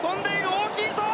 大きいぞ！